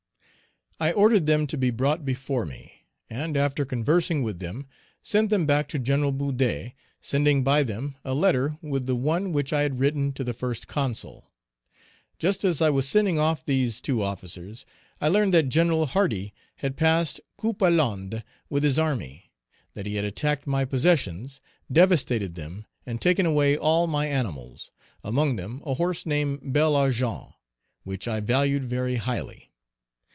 I ordered them to be brought before me, and, after conversing with them, sent them back to Gen. Boudet, sending by them a letter with the one which I had written to the First Consul. Just as I was sending off these two officers, I learned that Gen. Hardy had passed Coupe à l'Inde with his army, that he had attacked my possessions, devastated them, and taken away all my animals, among them a horse named Bel Argent, which I valued very highly.